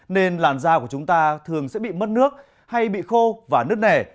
nên làn da của chúng ta thường sẽ bị mất nước hay bị khô và nứt nẻ